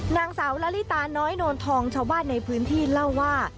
นางสาวละลิตาน้อยโนนทองชาวบ้านในพื้นที่เล่าว่า